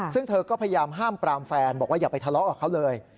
ซึ่งเธอก็พยายามห้ามปรามแฟนบอกว่าอย่าไปทะเลาะกับเขาเลย